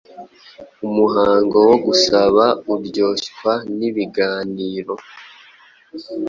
Umuhango wo gusaba uryoshywa n’ibiganiro.